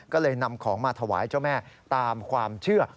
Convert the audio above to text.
ก็เลยนำของมาถวายเจ้าแม่ตามความเชื่อ